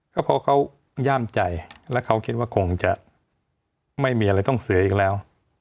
ก็เพราะเขาย่ามใจและเขาคิดว่าคงจะไม่มีอะไรต้องเสียอีกแล้ว